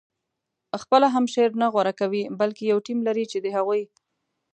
خپله هم شعر نه غوره کوي بلکې یو ټیم لري چې د هغوی